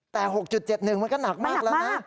แต่๖๗๑มันก็หนักมากแล้วนะ